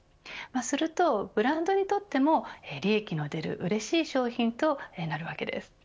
すると、ブランドにとっても利益の出るうれしい商品となるわけです。